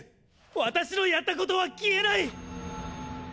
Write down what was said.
私のやったことは消えない！！